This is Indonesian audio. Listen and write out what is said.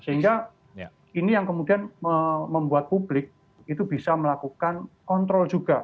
sehingga ini yang kemudian membuat publik itu bisa melakukan kontrol juga